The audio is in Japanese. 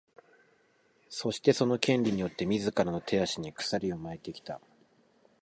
そして、その「権利」によって自らの手足に鎖を巻いてきた。